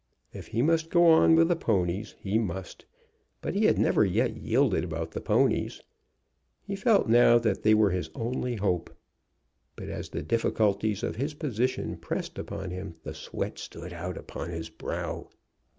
If he must go on with the ponies he must. But he had never yet yielded about the ponies. He felt now that they were his only hope. But as the difficulties of his position pressed upon him the sweat stood out upon his brow.